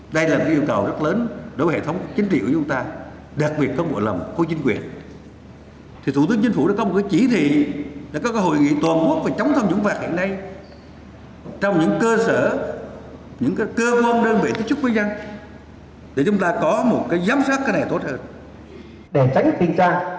đây là một yêu cầu rất lớn đối với hệ thống chính trị của chúng ta đặc biệt công vụ làm khối chính quyền thủ tướng chính phủ đã có một chỉ thị đã có hội nghị toàn quốc về chống thông dũng phạt hiện nay trong những cơ sở những cơ vôn đơn vị tích trúc với dân để chúng ta có một giám sát tốt hơn